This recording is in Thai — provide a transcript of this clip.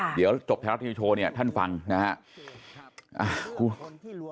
เดี๋ยวจบแถวลักษณ์ที่โชว์เนี่ยท่านฟังนะฮะ